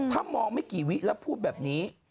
ถ้ามองไม่กี่วิแล้วพูดแบบนี้